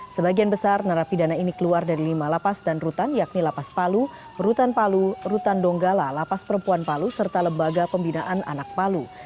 sebagian besar narapidana ini keluar dari lima lapas dan rutan yakni lapas palu rutan palu rutan donggala lapas perempuan palu serta lembaga pembinaan anak palu